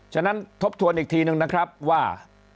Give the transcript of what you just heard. ฉะนั้นทบทวนอีกทีนึงนะครับว่า